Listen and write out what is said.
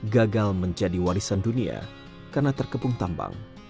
gagal menjadi warisan dunia karena terkepung tambang